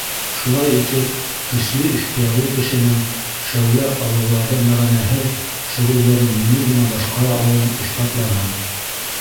Шулай итеп, көслө ихтыярлы кешенең шәүлә аллаларҙың мәғәнәһеҙ шөғөлдәрен еңел генә башҡара алыуын иҫбатланым.